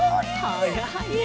はやいね！